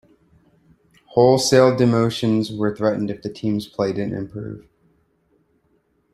Wholesale demotions were threatened if the team's play didn't improve.